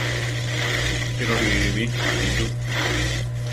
Chí roʼíli bi, anitú.